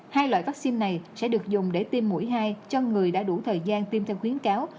hai loại vaccine này sẽ được dùng để tiêm mũi hai cho người đã đủ thời gian tiêm theo khuyến cáo